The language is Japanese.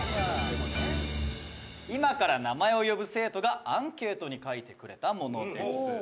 「今から名前を呼ぶ生徒がアンケートに書いてくれたものです」